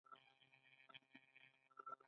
پوست د الرجي او ناروغیو پر وړاندې دفاع کوي.